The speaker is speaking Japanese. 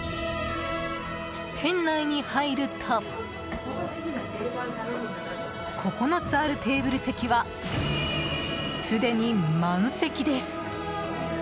店内に入ると、９つあるテーブル席は、すでに満席です。